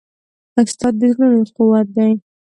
استاد د زړونو قوت دی.